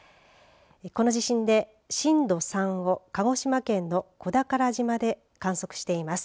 この地震で震度３を鹿児島県の小宝島で観測しています。